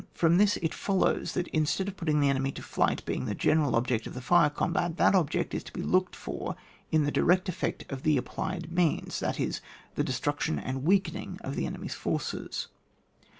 From this it follows, that instead of the putting the enemy to flight being the general object of the Are combat, that object is to be looked for in the direct effect of the applied means, that is in the destruction and weakening of the enemy's forces.